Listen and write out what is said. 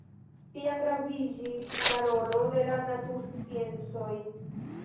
Tiam graviĝis la rolo de la natursciencoj.